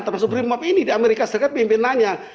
termasuk brimob ini di amerika serikat pimpinannya